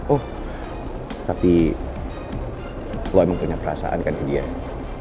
oh tapi lo emang punya perasaan kan ke dia ya